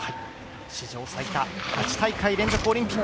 史上最多８大会連続オリンピック